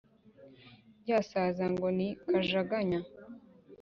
Ryasaza ngo ni ”Kajaganya”